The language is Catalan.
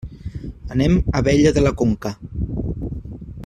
Anem a Abella de la Conca.